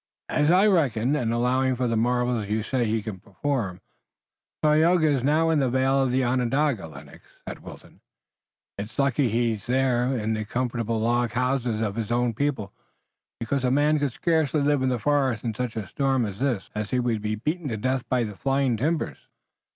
"As I reckon, and allowing for the marvels you say he can perform, Tayoga is now in the vale of Onondaga, Lennox," said Wilton. "It's lucky that he's there in the comfortable log houses of his own people, because a man could scarcely live in the forest in such a storm as this, as he would be beaten to death by flying timbers."